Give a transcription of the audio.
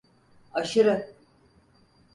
Aşırı!